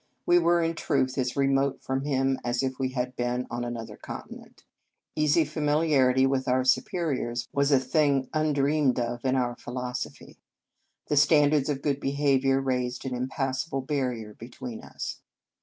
We were, in truth, as remote from him as if we had been on an other continent. Easy familiarity with our superiors was a thing undreamed In Our Convent Days of in our philosophy. The standards of good behaviour raised an impassable barrier between us.